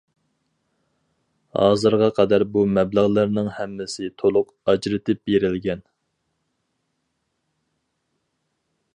ھازىرغا قەدەر بۇ مەبلەغلەرنىڭ ھەممىسى تولۇق ئاجرىتىپ بېرىلگەن.